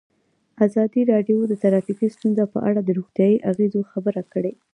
ازادي راډیو د ټرافیکي ستونزې په اړه د روغتیایي اغېزو خبره کړې.